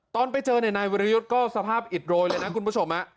ตอนไปเจอนายวิรยุทธ์ก็สภาพอิดโรยเลยนะคุณผู้ชม